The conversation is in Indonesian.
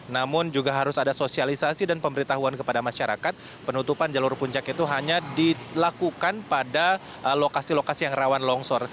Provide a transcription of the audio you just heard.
namun juga harus ada sosialisasi dan pemberitahuan kepada masyarakat penutupan jalur puncak itu hanya dilakukan pada lokasi lokasi yang rawan longsor